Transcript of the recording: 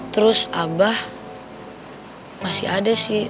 terus abah masih ada sih